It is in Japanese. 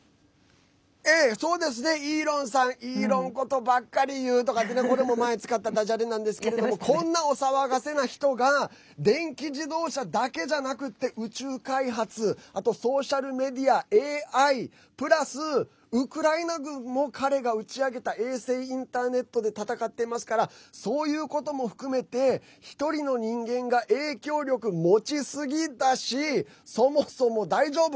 そうですね、イーロンさんイーロンことばっかり言うなんてこれも前に使っただじゃれなんですけどこんなお騒がせな人が電気自動車だけじゃなくて宇宙開発ソーシャルメディア、ＡＩプラス、ウクライナ軍も彼が打ち上げた衛星インターネットで戦ってますからそういうことも含めて１人の人間が影響力持ちすぎたしそもそも大丈夫？